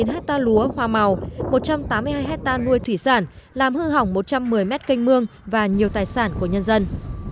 một hecta lúa hoa màu một trăm tám mươi hai hecta nuôi thủy sản làm hư hỏng một trăm một mươi m canh mương và nhiều tài sản của nhân dân